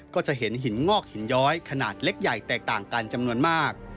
ก็จะเห็นหินงอกหินย้อยขนาดเล็กใหญ่แตกต่างกันจำนวนมาก